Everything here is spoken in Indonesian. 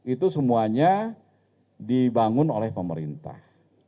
itu semuanya dibangun oleh pemerintah